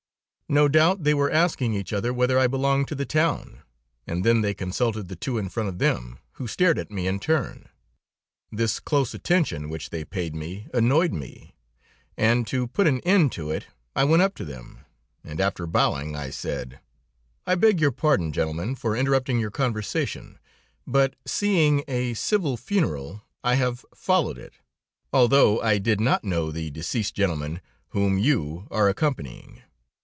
No doubt they were asking each other whether I belonged to the town, and then they consulted the two in front of them, who stared at me in turn. This close attention which they paid me, annoyed me, and to put an end to it, I went up to them, and, after bowing, I said: "I beg your pardon, gentlemen, for interrupting your conversation, but seeing a civil funeral, I have followed it, although I did not know the deceased gentleman whom you are accompanying."